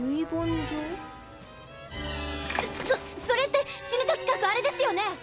それって死ぬ時書くあれですよね？